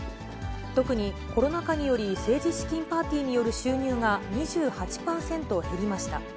特にコロナ禍により、政治資金パーティーによる収入が２８％減りました。